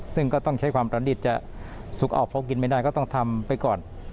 ซึ่งก็ต้องใช้ความประดิษฐ์จะสุกออกเพราะกินไม่ได้ก็ต้องทำไปก่อน